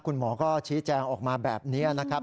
คุณหมอก็ชี้แจงออกมาแบบนี้นะครับ